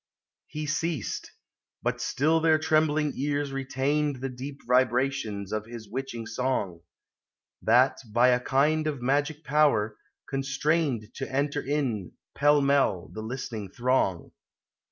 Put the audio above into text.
He ceased. But still their trembling ears retained The deep vibrations of his witching song ; That, by a kind of magic power, constrained To enter in, pell mell, the listening throng.